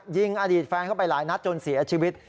ยิงอดีตแฟนเข้าไปหลายนัดจนเสียชีวิต